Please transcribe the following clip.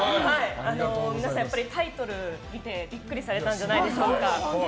皆さん、タイトルを見てビックリされたんじゃないでしょうか。